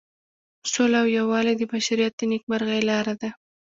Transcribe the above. سوله او یووالی د بشریت د نیکمرغۍ لاره ده.